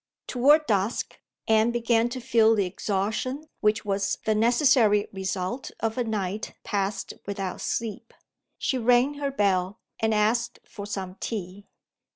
Toward dusk, Anne began to feel the exhaustion which was the necessary result of a night passed without sleep. She rang her bell, and asked for some tea.